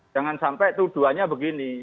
jangan sampai tuduhannya begini